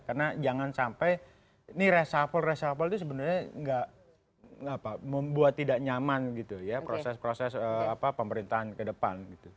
karena jangan sampai ini reshuffle reshuffle itu sebenarnya membuat tidak nyaman gitu ya proses proses pemerintahan ke depan gitu